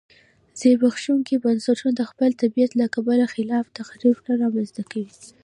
زبېښونکي بنسټونه د خپل طبیعت له کبله خلاق تخریب نه رامنځته کوي